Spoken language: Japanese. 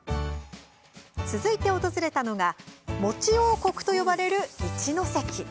続いて訪れたのがもち王国と呼ばれる一関。